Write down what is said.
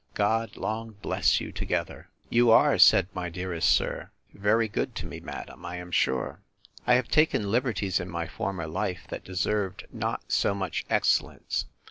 God long bless you together! You are, said my dearest sir, very good to me, madam, I am sure. I have taken liberties in my former life, that deserved not so much excellence.